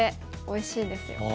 おいしいですよね。